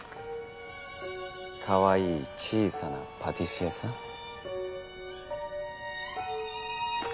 かわいい小さなパティシエさん。